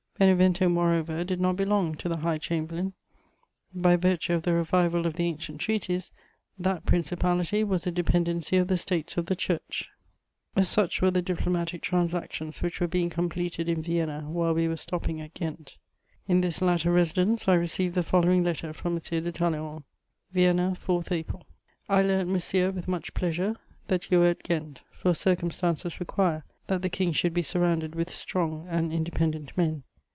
Benevento, moreover, did not belong to the High Chamberlain: by virtue of the revival of the ancient treaties, that principality was a dependency of the States of the Church. [Illustration: Talleyrand.] [Sidenote: A letter from Talleyrand.] Such were the diplomatic transactions which were being completed in Vienna while we were stopping at Ghent. In this latter residence, I received the following letter from M. de Talleyrand: "VIENNA, 4 April. "I learnt, monsieur, with much pleasure that you were at Ghent, for circumstances require that the King should be surrounded with strong and independent men.